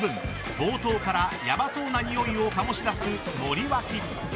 冒頭からヤバそうなにおいを醸し出す森脇。